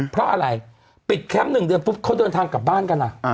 เพราะอะไรปิดแคมป์๑เดือนปุ๊บเขาเดินทางกลับบ้านกัน